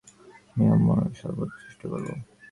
আমি আমার সর্বাত্মক চেষ্টা করব।